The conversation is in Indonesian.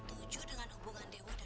gatel kayak gitu